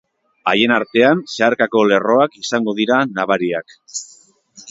Haien artean zeharkako lerroak izango dira nabariak.